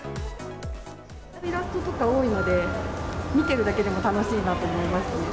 イラストとか多いので、見てるだけでも楽しいなと思いますね。